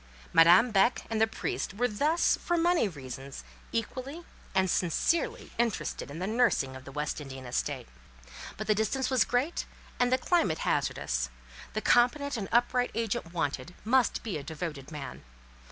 Madame Beck and the priest were thus, for money reasons, equally and sincerely interested in the nursing of the West Indian estate. But the distance was great, and the climate hazardous. The competent and upright agent wanted, must be a devoted man.